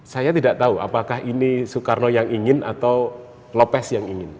saya tidak tahu apakah ini soekarno yang ingin atau lopes yang ingin